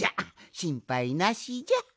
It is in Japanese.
しんぱいなしじゃ！